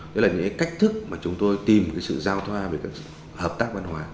đó là những cách thức mà chúng tôi tìm sự giao thoa với các hợp tác văn hóa